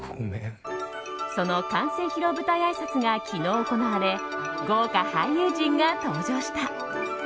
その完成披露舞台あいさつが昨日、行われ豪華俳優陣が登場した。